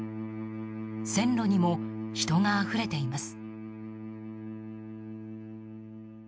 線路にも人があふれています。